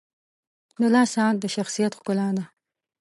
• د لاس ساعت د شخصیت ښکلا ده.